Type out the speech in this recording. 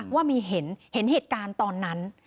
ว่ามีเห็นเหตุการณ์ตอนนั้น